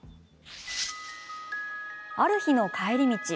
ある日の帰り道。